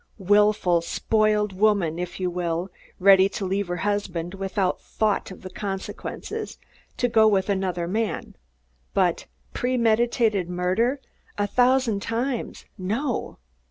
Wilful, spoiled woman, if you will, ready to leave her husband without thought of the consequences, to go with another man; but his premeditated murderer? A thousand times, no!